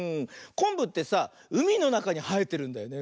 こんぶってさうみのなかにはえてるんだよね。